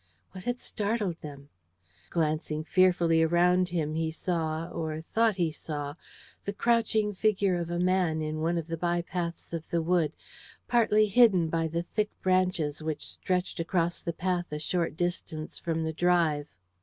What had startled them? Glancing fearfully around him he saw, or thought he saw, the crouching figure of a man in one of the bypaths of the wood, partly hidden by the thick branches which stretched across the path a short distance from the drive.